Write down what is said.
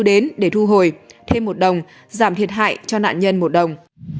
đến để thu hồi thêm một đồng giảm thiệt hại cho nạn nhân một đồng